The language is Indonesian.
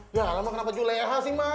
ya kenapa juleha sih mak